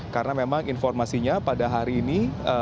karena memang informasinya pada hari ini